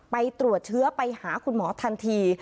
ไปตรวจเชื้อไปหาคุณหมอทันที